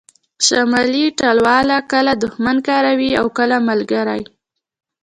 شمالي ټلواله کله دوښمن کاروي او کله ملګری